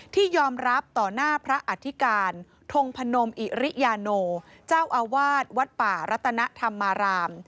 ที่ยอมรับต่อหน้าพระอธิการทงพนมอิริยาโนเจ้าอาวาสวัดป่ารัตนธรรมาราม